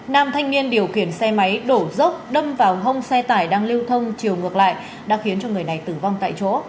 nam thanh niên điều khiển xe máy đổ dốc đâm vào hông xe tải đang lưu thông chiều ngược lại đã khiến cho người này tử vong tại chỗ